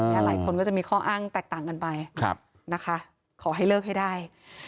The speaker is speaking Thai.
หลายคนก็จะมีข้ออ้างแตกต่างกันไปนะคะขอให้เลิกให้ได้